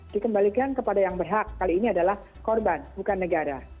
dikembalikan kepada yang berhak kali ini adalah korban bukan negara